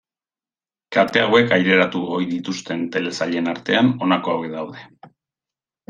Kate hauek aireratu ohi dituzten telesailen artean honako hauek daude.